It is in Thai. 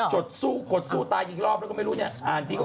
จดสู้กดสู้ตายอีกรอบแล้วก็ไม่รู้เนี่ย